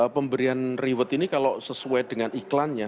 pemberian reward ini kalau sesuai dengan iklannya